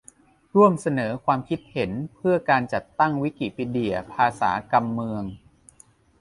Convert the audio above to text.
ร่วมเสนอความคิดเห็นเพื่อการจัดตั้ง วิกิพีเดีย ภาษา กำเมือง